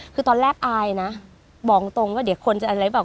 คือตอนแรกอายนะบอกตรงว่าเดี๋ยวคนจะอะไรแบบ